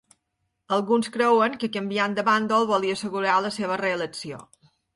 Alguns creuen que canviant de bàndol volia assegurar la seva reelecció.